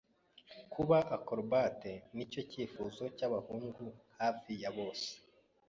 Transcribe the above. Kuba acrobat nicyo cyifuzo cyabahungu hafi ya bose.